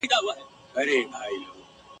مستۍ ځه الله دي مل سه، نن خُمار ته غزل لیکم !.